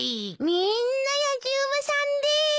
みんなやじ馬さんです。